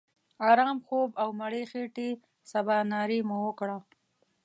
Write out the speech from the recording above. آرام خوب او مړې خېټې سباناري مو وکړه.